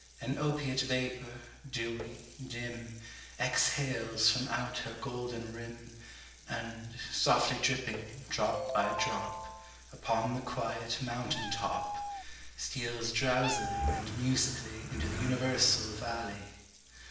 An opiate vapour, dewy, dim, Exhales from out her golden rim, And, softly dripping, drop by drop, Upon the quiet mountain top, Steals drowsily and musically Into the universal valley.